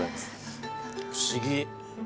不思議。